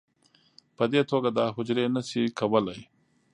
په دې توګه دا حجرې نه شي کولی